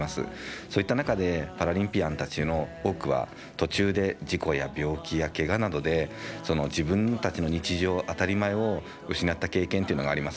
そういった中でパラリンピアンたちの多くは途中で事故や病気やけがなどで自分たちの日常当たり前を失った経験というのがあります。